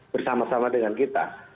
bersama sama dengan kita